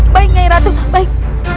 baik nyai ratu baik